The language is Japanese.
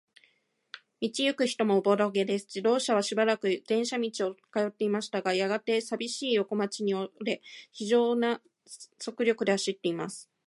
道ゆく人もおぼろげです。自動車はしばらく電車道を通っていましたが、やがて、さびしい横町に折れ、ひじょうな速力で走っています。